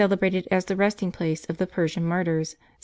rtrb w brated as the resting place of the Persian martyrs, SS.